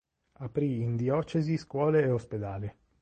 Aprì in diocesi scuole e ospedali.